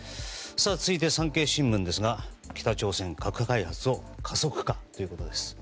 続いて産経新聞ですが北朝鮮、核開発を加速かということです。